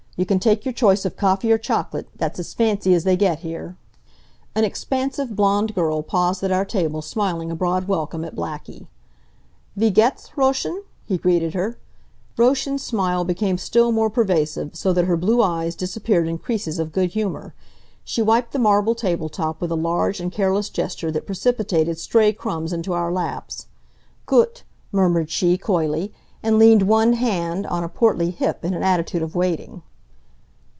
You can take your choice of coffee or chocolate. That's as fancy as they get here." An expansive blond girl paused at our table smiling a broad welcome at Blackie. "Wie geht's, Roschen?" he greeted her. Roschen's smile became still more pervasive, so that her blue eyes disappeared in creases of good humor. She wiped the marble table top with a large and careless gesture that precipitated stray crumbs into our laps. "Gut!" murmured she, coyly, and leaned one hand on a portly hip in an attitude of waiting.